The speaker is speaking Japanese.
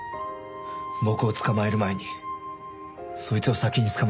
僕を捕まえる前にそいつを先に捕まえてください。